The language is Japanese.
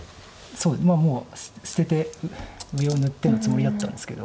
もう捨てて上を塗ってるつもりだったんですけど。